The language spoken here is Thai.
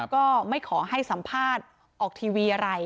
ก็ไม่ขอให้สัมภาษณ์ออกทีวีอะไร